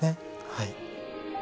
はい。